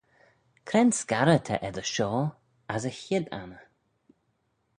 Cre'n scarrey ta eddyr shoh as y chied anney?